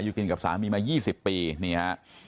กินกับสามีมา๒๐ปีนี่ฮะ